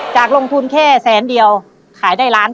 จากลงทุนแค่แสนเดียวขายได้๑๙๐๐๐๐๐บาท